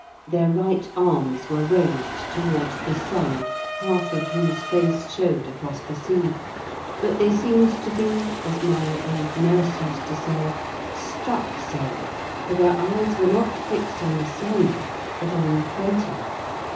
Their right arms were raised towards the sun, half of whose face showed across the sea but they seemed to be, as my old nurse used to say, 'struck so,' for their eyes were not fixed on the sun, but on Quentin.